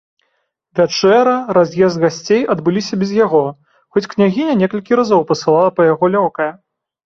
Вячэра, раз'езд гасцей адбыліся без яго, хоць княгіня некалькі разоў пасылала па яго лёкая.